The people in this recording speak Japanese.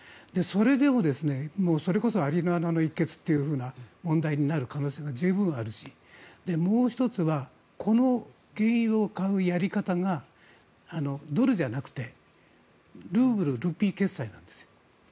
それでもそれこそ蟻の穴の一穴という問題になる可能性が十分あるしもう１つはこの原油を買うやり方がドルじゃなくてルーブル、ルピー決済なんです。